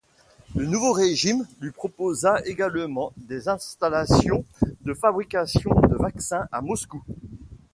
Le nouveau régime lui proposa également des installations de fabrication de vaccins à Moscou.